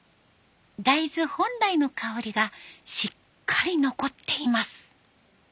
大豆本来の香りがしっかり残っています。